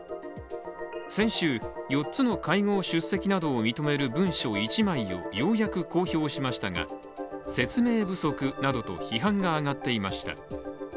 先週、４つの会合出席などを認める文書１枚をようやく公表しましたが説明不足などと批判が上がっていました。